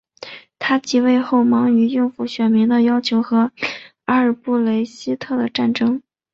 他即位后忙于应付选民的要求和阿尔布雷希特的争斗。